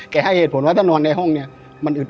ให้เหตุผลว่าถ้านอนในห้องเนี่ยมันอึด